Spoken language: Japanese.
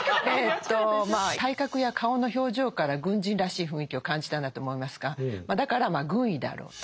体格や顔の表情から軍人らしい雰囲気を感じたんだと思いますがだからまあ軍医であろうと。